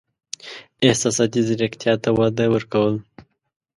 احساساتي زیرکتیا ته وده ورکول: